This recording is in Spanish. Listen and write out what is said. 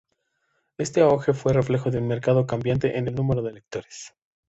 Este auge fue reflejo de un mercado cambiante en el número de lectores.